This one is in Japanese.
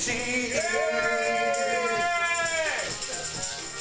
イエーイ！